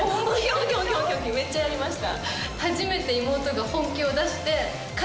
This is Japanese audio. めっちゃやりました。